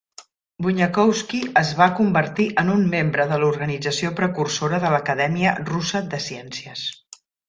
Bunyakovsky es va convertir en un membre de l'organització precursora de l'Acadèmia Russa de Ciències.